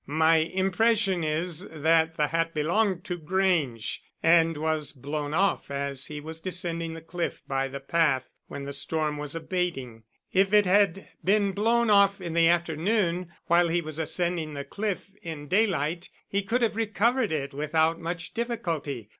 My impression is that the hat belonged to Grange, and was blown off as he was descending the cliff by the path when the storm was abating. If it had been blown off in the afternoon, while he was ascending the cliff in daylight, he could have recovered it without much difficulty.